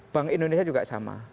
bank indonesia juga sama